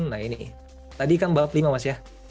nah ini tadi kan balap lima mas ya